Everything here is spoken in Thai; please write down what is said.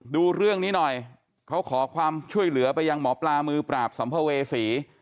ดูเรื่องนี้หน่อยเขาขอความช่วยเหลือไปยังหมอปลามือปราบสัมภเวษี